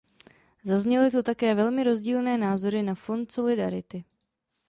Zazněly tu také velmi rozdílné názory na Fond solidarity.